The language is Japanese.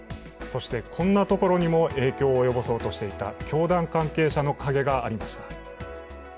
そして、こんなところにも影響を及ぼそうとしていた教団関係者の影がありました。